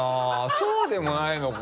そうでもないのか。